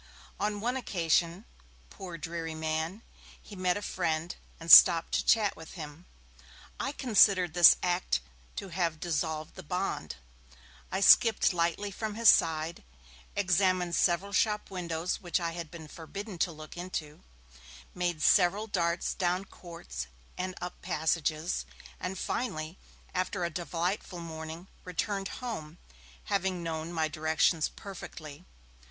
On one occasion, poor dreary man, he met a friend and stopped to chat with him. I considered this act to have dissolved the bond; I skipped lightly from his side, examined several shop windows which I had been forbidden to look into, made several darts down courts and up passages, and finally, after a delightful morning, returned home, having known my directions perfectly.